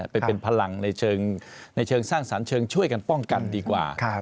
ไปเป็นพลังในเชิงสร้างสรรค์เชิงช่วยกันป้องกันดีกว่า